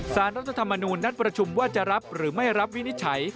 สารรัฐธรรมนูญนัดประชุมว่าจะรับหรือไม่รับวินิจฉัย